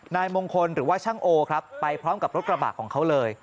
นายมงคลหรือว่าช่างโอครับไปพร้อมกับรถกระบะของเขาเลย